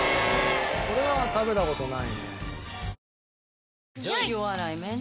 これは食べた事ないね。